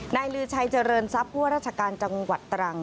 ลือชัยเจริญทรัพย์ผู้ว่าราชการจังหวัดตรัง